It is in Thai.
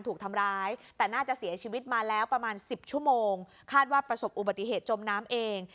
ถูกทำร้ายแต่น่าจะเสียชีวิตมาแล้วประมาณสิบชั่วโมงคาดว่าประสบอุบัติเหตุจมน้ำเอง